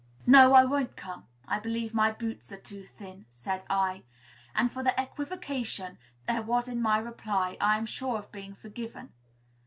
"No, I won't come. I believe my boots are too thin," said I; and for the equivocation there was in my reply I am sure of being forgiven.